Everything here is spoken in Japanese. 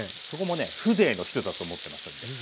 そこもね風情の一つだと思ってますんで。